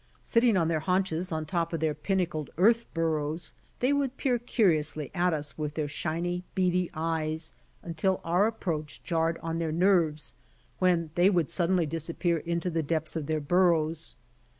Sitting on their haunches on top of their pinnacled earth burrows, they would peer curiously at us with their shining, beady eyes, until our approach jarred on their nerves, when they would suddenly disappear into the depths of their burrows.